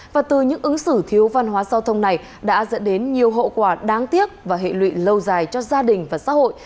và từ những ứng xử thiếu văn hóa giao thông này đã dẫn đến nhiều hậu quả đáng tiếc và hệ lụy lâu dài cho gia đình và xã hội